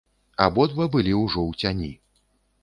Абодва былі ўжо ў цяні.